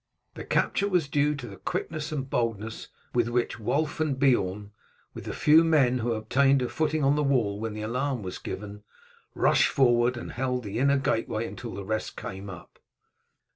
The capture was due to the quickness and boldness with which Wulf and Beorn, with the few men who had obtained a footing on the wall when the alarm was given, rushed forward and held the inner gateway until the rest came up."